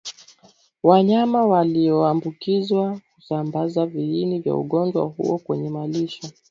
wanyama walioambukizwa husambaza viini vya ugonjwa huo kwenye malisho